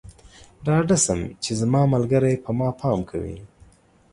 ډاډه شم چې زما ملګری پر ما پام کوي.